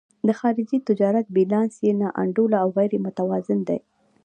د خارجي تجارت بیلانس یې نا انډوله او غیر متوازن دی.